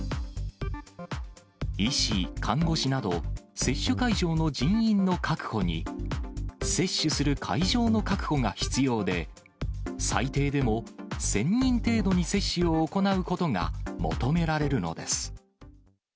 医師、看護師など、接種会場の人員の確保に、接種する会場の確保が必要で、最低でも１０００人程度に接種を行うことが求められるのです。